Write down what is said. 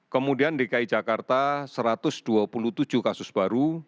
kemudian dki jakarta satu ratus dua puluh tujuh kasus baru